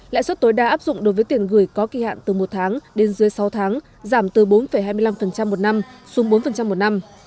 lãi suất tối đa áp dụng đối với tiền gửi có kỳ hạn từ một tháng đến dưới sáu tháng giảm từ bốn hai mươi năm một năm xuống bốn một năm